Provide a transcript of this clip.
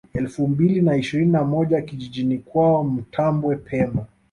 Elfu mbili na ishirini na moja kijijiini kwao Mtambwe pemba